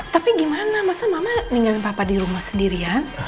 tapi gimana masa mama ninggalin papa di rumah sendirian